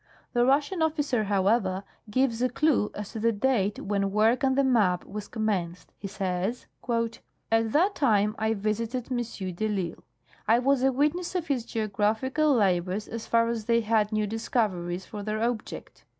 The Russian officer, hoAvever, gives a clue as to the date when work on the map was commenced. He says :" At that time I visited M. de I'Isle. I was a witness of his geographical labors as far as they had new discoveries for their object.